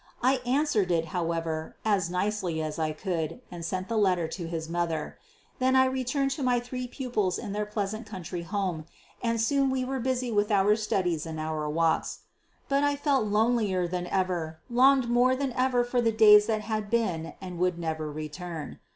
I answered it, however, as nicely as I could, and sent the letter to his mother. Then I returned to my three pupils in their pleasant country home, and soon we were busy with our studies and our walks. But I felt lonelier than ever, longed more than ever for the days that had been and would never return.